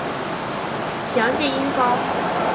详见音高。